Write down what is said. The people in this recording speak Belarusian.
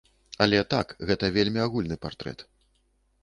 Але так, гэта вельмі агульны партрэт.